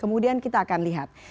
kemudian kita akan lihat